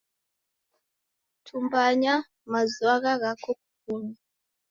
Tumbanya mazwagha ghako kufume.